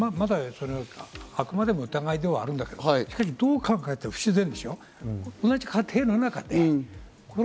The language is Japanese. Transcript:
あくまでも疑いではあるんだけど、どう考えても不自然でしょ？